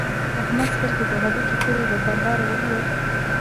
احمد سترګې د هډوکې کړې؛ له بانډاره و نه وت.